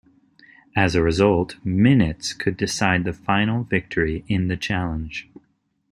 As a result, minutes could decide the final victory in the Challenge.